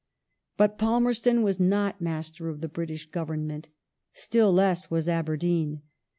But Palmerston was not master of the British Government; still less was Aberdeen.